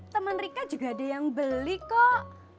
teman rika juga ada yang beli kok